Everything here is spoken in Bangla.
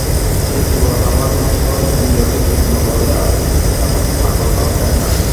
সেই দুর্বলতা আমার সমস্ত ইন্দ্রিয়কে তীক্ষ্ণ বলে আপনি আমাকে পাগল ভাববেন না!